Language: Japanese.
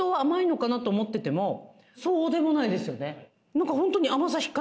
何かホントに。